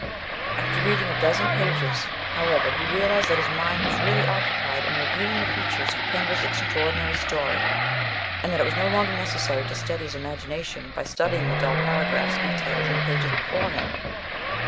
After reading a dozen pages, however, he realized that his mind was really occupied in reviewing the features of Pender's extraordinary story, and that it was no longer necessary to steady his imagination by studying the dull paragraphs detailed in the pages before him.